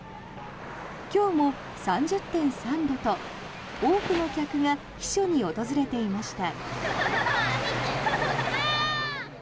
今日も３０．３度と、多くの客が避暑に訪れていました。